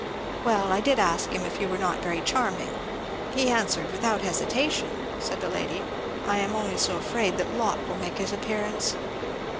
"Well I did ask him if you were not very charming, but he answered without hesitation " said the lady, "I am only so afraid that Lot will make his appearance!